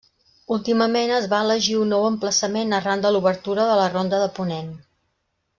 Últimament es va elegir un nou emplaçament arran de l'obertura de la ronda de Ponent.